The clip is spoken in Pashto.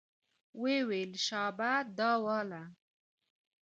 ويې ويل شابه دا واله.